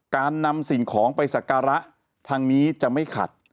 การนำสิ่งของไปสักการะทางนี้จะไม่ขัด